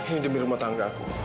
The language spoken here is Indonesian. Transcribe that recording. ini demi rumah tangga aku